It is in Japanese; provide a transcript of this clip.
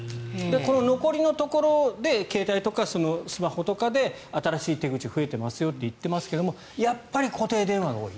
この残りのところで携帯とかスマホとかで新しい手口が増えていますよと言っていますがやっぱり固定電話が多い。